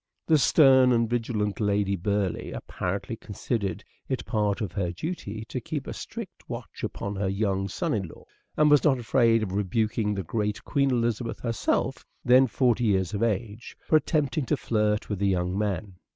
The stern and vigilant Lady Burleigh apparently considered it part of her duty to keep a strict watch upon her young son in law, and was not afraid of rebuking the great Queen Elizabeth herself, then forty years of age, for attempting to flirt with the young man.